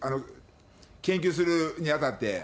研究するにあたって。